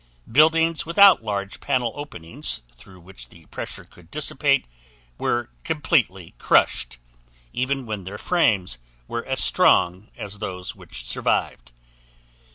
Buildings without large panel openings through which the pressure could dissipate were completely crushed, even when their frames were as strong as those which survived.